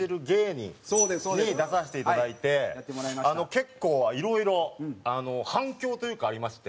結構いろいろ反響というかありまして。